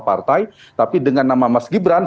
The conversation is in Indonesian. partai tapi dengan nama mas gibran